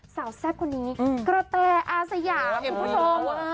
แซ่บคนนี้กระแตอาสยามคุณผู้ชม